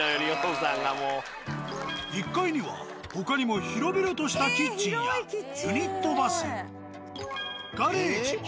１階には他にも広々としたキッチンやユニットバスガレージも。